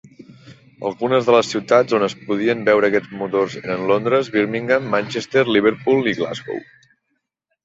Algunes de les ciutats on es podien veure aquests motors eren Londres, Birmingham, Manchester, Liverpool i Glasgow.